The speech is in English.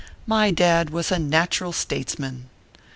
My dad was a natural statesman.